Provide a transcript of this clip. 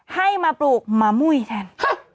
ให้มาปลูกมะมุ้ยฉัน